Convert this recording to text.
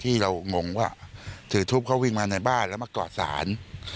ที่เรางงว่าถือทุบเขาวิ่งมาในบ้านแล้วมากอดศาล